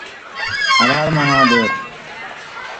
Tourism takes a variety of different forms in Wythe County.